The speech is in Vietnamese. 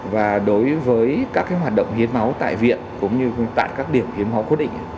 và đối với các hoạt động hiến máu tại viện cũng như tại các điểm hiến máu quyết định